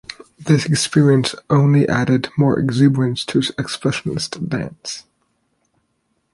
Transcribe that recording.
This experience only added more exuberance to his expressionist dance.